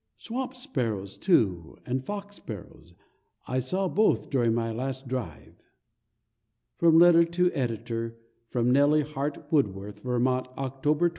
Swamp sparrows, too, and fox sparrows I saw both during my last drive. _From letter to Ed., from Nelly Hart Woodworth, Vermont, Oct. 20, 1899.